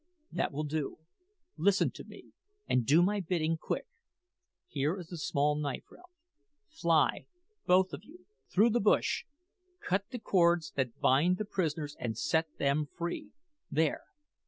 "That will do. Listen to me, and do my bidding quick. Here is the small knife, Ralph. Fly, both of you, through the bush, cut the cords that bind the prisoners, and set them free! There!